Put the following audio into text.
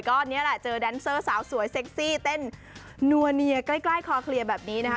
ก็นี่แหละเจอแดนเซอร์สาวสวยเซ็กซี่เต้นนัวเนียใกล้คอเคลียร์แบบนี้นะคะ